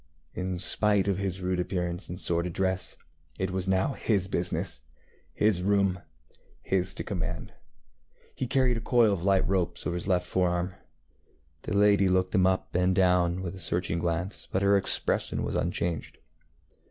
In spite of his rude appearance and sordid dress, it was now his business, his room, his to command. He carried a coil of light ropes over his left fore arm. The lady looked him up and down with a searching glance, but her expression was unchanged.